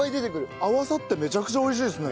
合わさってめちゃくちゃ美味しいですね。